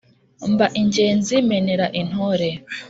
Mba ingenzi menera intore